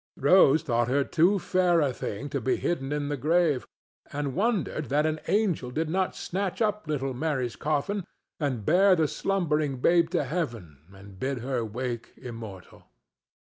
Rose thought her too fair a thing to be hidden in the grave, and wondered that an angel did not snatch up little Mary's coffin and bear the slumbering babe to heaven and bid her wake immortal.